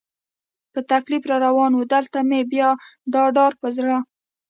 په تکلیف را روان و، دلته مې بیا دا ډار په زړه.